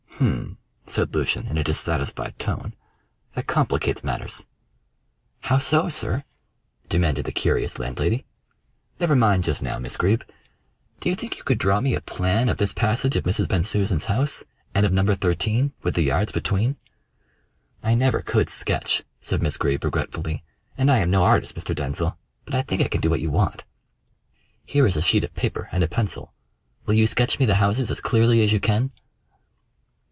"H'm!" said Lucian in a dissatisfied tone. "That complicates matters." "How so, sir?" demanded the curious landlady. "Never mind just now, Miss Greeb. Do you think you could draw me a plan of this passage of Mrs. Bensusan's house, and of No. 13, with the yards between?" "I never could sketch," said Miss Greeb regretfully, "and I am no artist, Mr. Denzil, but I think I can do what you want." "Here is a sheet of paper and a pencil. Will you sketch me the houses as clearly as you can?"